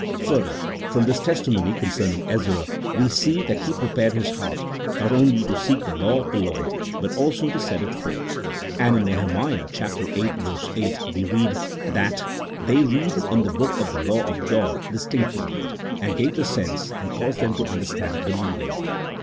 Further, from this testimony concerning Ezra, we see that he prepared his heart, not only to seek the law of the Lord, but also to set it forth ; and, in Nehemiah viii. 8, we read that " they read in the book of the law of God distinctly, and gave the sense, and caused them to under stand the reading."